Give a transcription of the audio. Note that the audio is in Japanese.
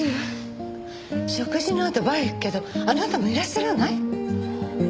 食事のあとバーへ行くけどあなたもいらっしゃらない？